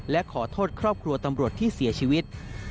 และขอโทษครอบครัวตำรวจที่เสียชีวิต